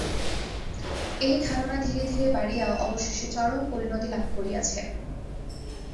এই ধারণা ধীরে ধীরে বাড়িয়া অবশেষে চরম পরিণতি লাভ করিয়াছে।